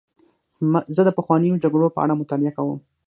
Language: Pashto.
زه د پخوانیو جګړو په اړه مطالعه کوم.